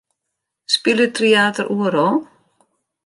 Spilet Tryater oeral?